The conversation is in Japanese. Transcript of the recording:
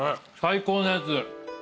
最高のやつ。